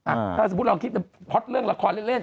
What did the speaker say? อะถ้าสมมุติเราอย่างนี้จะพ็อตเรื่องละครเล่น